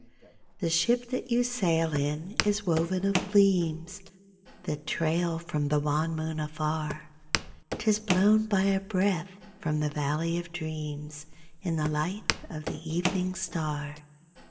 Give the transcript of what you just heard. The ship that you sail in is woven of gleams That trail from the wan moon afar. 'Tis blown by a breath from the valley of dreams In the light of the evening star.